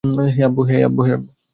হেই - আব্বু?